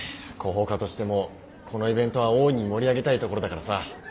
広報課としてもこのイベントは大いに盛り上げたいところだからさ。